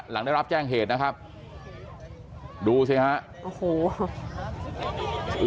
หลังได้รับแจ้งเหตุนะครับดูสิฮะโอ้โห